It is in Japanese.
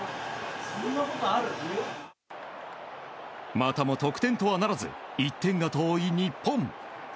またも得点とはならず１点が遠い日本。